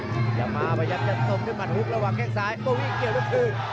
พยายามมาพยายามจะทดขึ้นหมัดฮุกระหว่างแข่งซ้ายโบวี่เกลียดครับทื่น